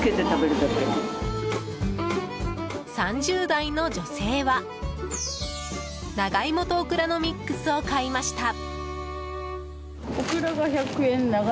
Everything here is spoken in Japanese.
３０代の女性は長イモとオクラのミックスを買いました。